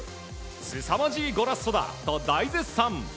すさまじいゴラッソだと大絶賛。